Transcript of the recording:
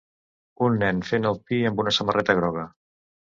Un nen fent el pi amb una samarreta groga